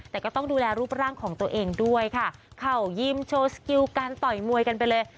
แต่ก็ต้องดูแลรูปร่างของตัวเองด้วยค่ะเข้ายิมโชว์สกิลการต่อยมวยกันไปเลย